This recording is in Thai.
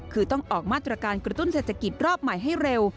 คือต้องออกมาตรการกระตุ้นเศรษฐกิจรอบใหม่ให้เร็ว